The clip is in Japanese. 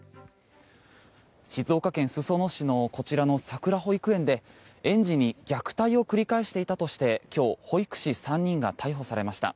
静岡県裾野市のこちら、さくら保育園で園児に虐待を繰り返していたとして今日、保育士３人が逮捕されました。